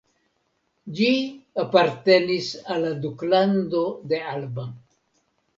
Ĝi apartenis al la Duklando de Alba.